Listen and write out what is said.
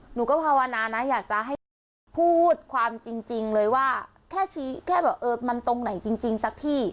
หนูก็ภาวนานะอยากจะให้พูดความจริงเลยว่าแค่ชี้แค่แบบเออมันตรงไหนจริงสักที่